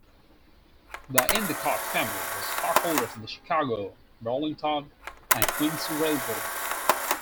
The Endicott family was stockholders in the Chicago, Burlington and Quincy Railroad.